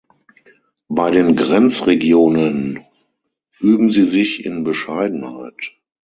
Bei den Grenzregionen üben Sie sich in Bescheidenheit.